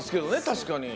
確かに。